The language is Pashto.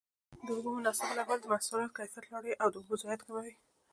د اوبو مناسب لګول د محصول کیفیت لوړوي او د اوبو ضایعات کموي.